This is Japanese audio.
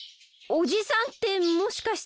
おじさんってもしかして。